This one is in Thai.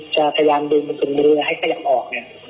จะพยายามดึงปุ่งมือให้ขยับออก